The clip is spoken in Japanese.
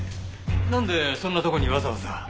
なんでそんなとこにわざわざ。